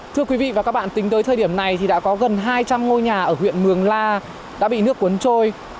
thưa quý vị và các bạn tính tới thời điểm này thì đã có gần hai trăm linh ngôi nhà ở huyện mường la đã bị nước cuốn trôi